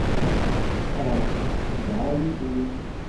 Ah... D lɛali fell-i!